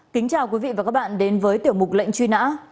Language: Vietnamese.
kính chào quý vị và các bạn đến với tiểu mục lệnh truy nã